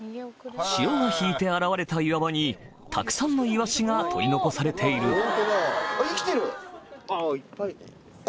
潮が引いて現れた岩場にたくさんのイワシが取り残されているへぇ。